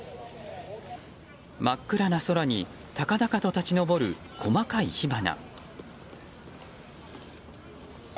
真っ暗な空に高々と立ち上る細かい火花。